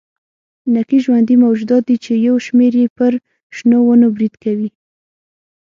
نکي ژوندي موجودات دي چې یو شمېر یې پر شنو ونو برید کوي.